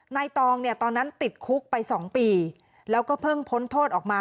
ตองเนี่ยตอนนั้นติดคุกไป๒ปีแล้วก็เพิ่งพ้นโทษออกมา